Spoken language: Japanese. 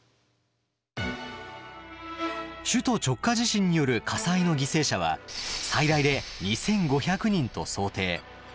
首都直下地震による火災の犠牲者は最大で２，５００人と想定。